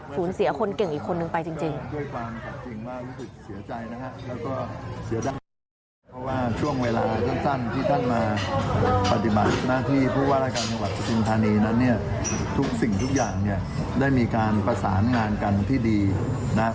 สูญเสียคนเก่งอีกคนนึงไปจริง